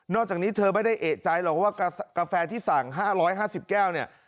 จากนี้เธอไม่ได้เอกใจหรอกว่ากาแฟที่สั่ง๕๕๐แก้วเนี่ย